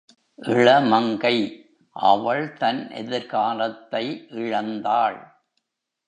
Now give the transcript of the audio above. இளமங்கை அவள் தன் எதிர்காலத்தை இழந்தாள்.